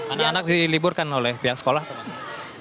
anak anak diliburkan oleh pihak sekolah atau gimana